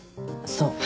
そう。